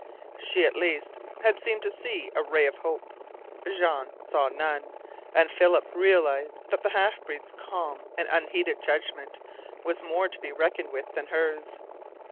She, at least, had seemed to see a ray of hope. Jean saw none, and Philip realized that the half breed's calm and unheated judgment was more to be reckoned with than hers.